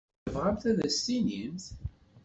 Tebɣamt ad as-tinimt?